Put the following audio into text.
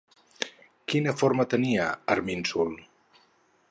Quina forma tenia Erminsul?